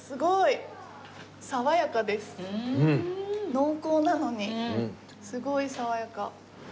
濃厚なのにすごい爽やか。